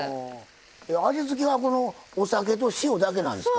味付けはこのお酒と塩だけなんですか？